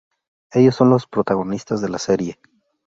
Ellos son los protagonistas de la serie.